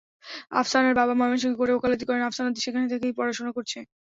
আফসানার বাবা ময়মনসিংহের কোর্টে ওকালতি করেন, আফসানা সেখানে থেকেই পড়শোনা করেছে।